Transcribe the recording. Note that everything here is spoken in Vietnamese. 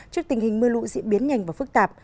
trước tình hình mưa lũ diễn biến nhanh và phức tạp